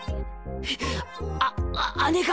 あ姉が。